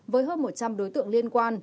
với hơn một trăm linh đối tượng liên quan